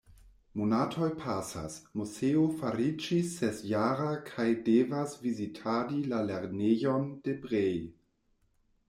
Monatoj pasas, Moseo fariĝis sesjara kaj devas vizitadi la lernejon de Brej.